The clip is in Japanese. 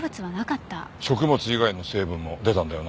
食物以外の成分も出たんだよな？